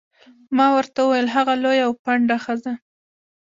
ما ورته وویل: هغه لویه او پنډه ښځه.